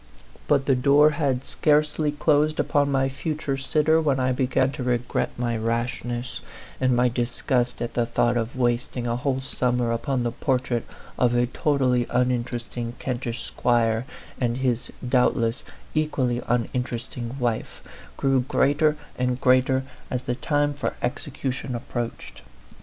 But the door had scarce ly closed upon my future sitter when I be gan to regret my rashness; and my disgust at the thought of wasting a whole summer upon the portrait of a totally uninteresting Kentish squire, and his doubtless equally uninteresting wife, grew greater and greater as the time for execution approached.